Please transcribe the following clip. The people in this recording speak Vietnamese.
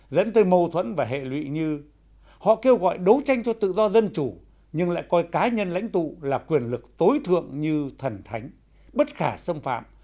dẫn tới mâu thuẫn và hệ lụy như họ kêu gọi đấu tranh cho tự do dân chủ nhưng lại coi cá nhân lãnh tụ là quyền lực tối thượng như thần thánh bất khả xâm phạm